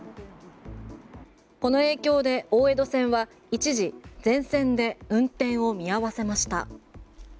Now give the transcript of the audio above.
この影響で大江戸線は一時全線で運転を見合わせました。